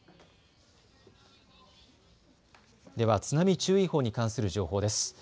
では津波注意報に関する情報です。